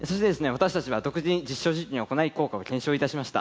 私たちは独自に実証実験を行い効果を検証いたしました。